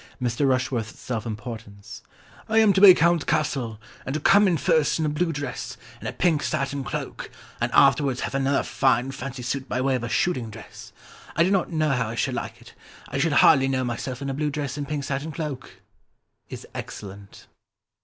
Mr. Rushworth's self importance, "I am to be Count Cassel and to come in first in a blue dress, and a pink satin cloak, and afterwards have another fine fancy suit by way of a shooting dress. I do not know how I shall like it ... I shall hardly know myself in a blue dress and pink satin cloak," is excellent.